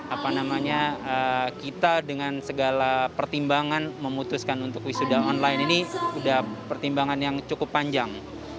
apa namanya kita dengan segala pertimbangan memutuskan untuk wisuda online ini sudah pertimbangan yang cukup panjang